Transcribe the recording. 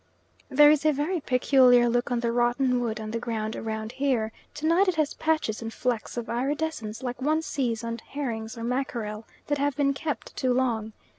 There is a very peculiar look on the rotten wood on the ground round here; to night it has patches and flecks of iridescence like one sees on herrings or mackerel that have been kept too long.